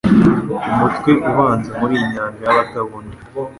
umutwe ubanza muri iyi nyanja yabatabona